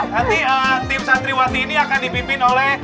nanti tim santriwati ini akan dipimpin oleh